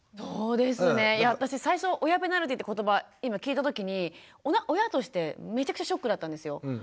いや私最初親ペナルティーって言葉今聞いた時に親としてめちゃくちゃショックだったんですよ。